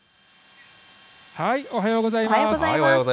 おはようございます。